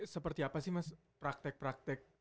seperti apa sih mas praktek praktek